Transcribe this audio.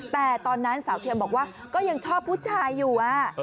แต่ตอนนั้นสาวเทียมบอกว่าก็ยังชอบผู้ชายอยู่